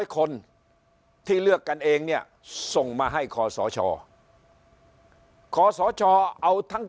คนที่เลือกกันเองเนี่ยส่งมาให้คอสชขอสชเอาทั้ง